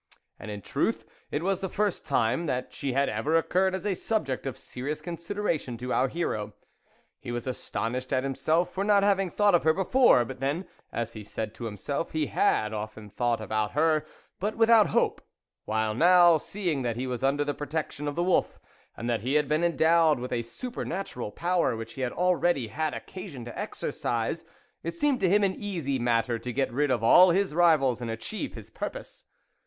And, in truth, it was the first time that she had ever occurred as a subject of serious consideration to our hero. He was astonished at himself for not having thought of her before, but then, as he said to himself, he had often thought about her, but without hope, while now, seeing that he was under the protection of the wolf, and that he had been endowed with a supernatural power, which he had already had occasion to exercise, it seemed to him an easy matter to get rid of all his rivals and achieve his purpose.